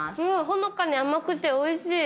ほのかに甘くておいしい。